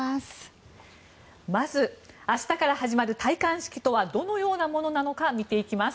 まず、明日から始まる戴冠式とはどのようなものなのか見ていきます。